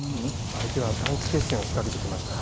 相手は短期決戦を仕掛けてきました。